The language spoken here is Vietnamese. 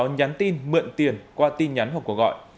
nhắn tin mượn tiền qua tin nhắn hoặc gọi